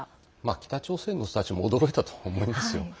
北朝鮮の人たちも驚いたと思いますよ。